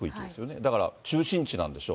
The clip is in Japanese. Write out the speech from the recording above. だから、中心地なんでしょう。